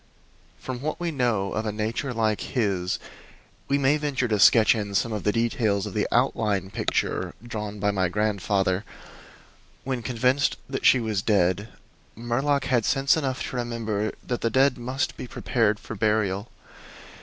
From what we know of a nature like his we may venture to sketch in some of the details of the outline picture drawn by my grandfather. When convinced that she was dead, Murlock had sense enough to remember that the dead must be prepared for burial.